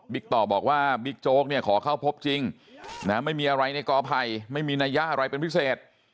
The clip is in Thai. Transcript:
ต่อบอกว่าบิ๊กโจ๊กเนี่ยขอเข้าพบจริงไม่มีอะไรในกอไผ่ไม่มีนายะอะไรเป็นพิเศษ